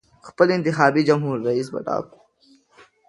خپل انتخابي جمهور رییس به ټاکو.